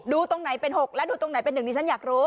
ตรงไหนเป็น๖แล้วดูตรงไหนเป็น๑ดิฉันอยากรู้